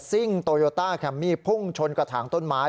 ่งโตโยต้าแคมมี่พุ่งชนกระถางต้นไม้